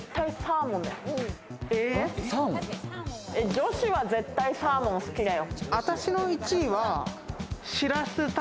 女子は絶対サーモン好きだよ。